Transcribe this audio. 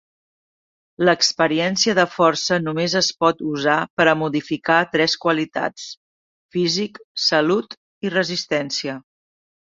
L'experiència de força només es pot usar per a modificar tres qualitats: físic, salut i resistència.